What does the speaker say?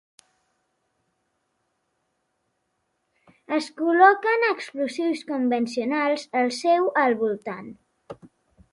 Es col·loquen explosius convencionals al seu al voltant.